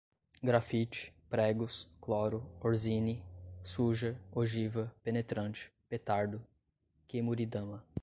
grafite, pregos, cloro, orsini, suja, ogiva, penetrante, petardo, kemuridama